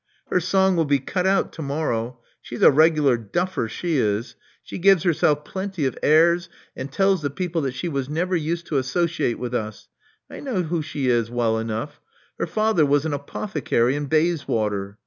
Her song will be cut out to morrow. She's a reg'lar duffer, she is. She gives herself plenty of airs, and tells the people that she was never used to associate with us. I know who she is well enough: her father was an apothecary in Bayswater.